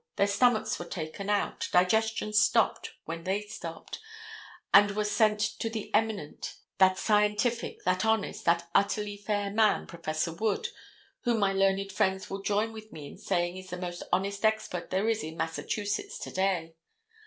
Their stomachs were taken out, digestion stopped when they stopped, and were sent to the eminent, that scientific, that honest, that utterly fair man, Prof. Wood, whom my learned friends will join with me in saying is the most honest expert there is in Massachusetts to day.